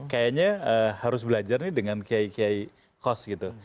kayaknya harus belajar nih dengan kiai kiai kos gitu